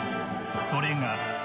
それが。